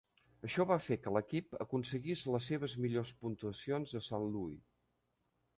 Això va fer que l'equip aconseguís les seves millors puntuacions a Sant Louis.